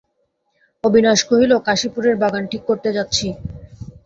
অবিনাশ কহিল, কাশীপুরের বাগান ঠিক করতে যাচ্ছি।